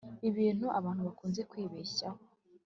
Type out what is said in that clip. Ibintu abantu bakunze kwibeshyaho